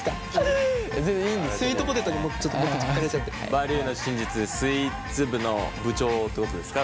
「バリューの真実」でスイーツ部の部長ってことですか？